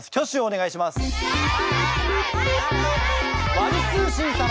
ワル通信様。